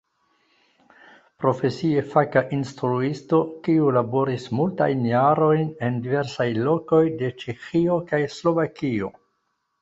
Profesie faka instruisto, kiu laboris multajn jarojn en diversaj lokoj de Ĉeĥio kaj Slovakio.